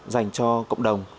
dành cho cộng đồng